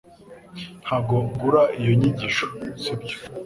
Ntabwo ugura iyo nyigisho sibyo